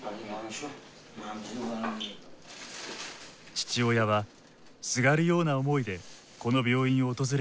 父親はすがるような思いでこの病院を訪れたといいます。